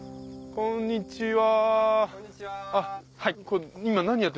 こんにちは。